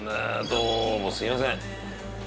どうもすいません。